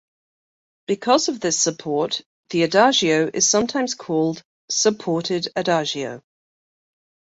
Because of this support the adagio is sometimes called "supported adagio".